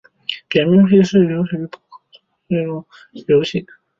点名游戏是流行于博客和即时通讯软件好友之间的一种游戏。